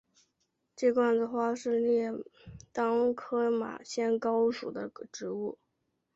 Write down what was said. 鸡冠子花是列当科马先蒿属的植物。